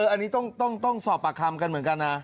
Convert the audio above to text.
อันนี้ต้องสอบปากคำกันเหมือนกันนะ